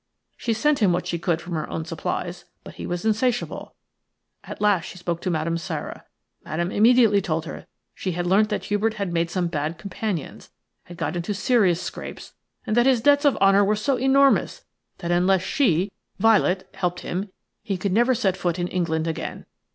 She sent him what she could from her own supplies, but he was insatiable. At last she spoke to Madame Sara. Madame immediately told her she had learnt that Hubert had made some bad companions, had got into serious scrapes, and that his debts of honour were so enormous that unless she, Violet, helped him he could never set foot in England again.